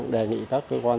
đề nghị các cơ quan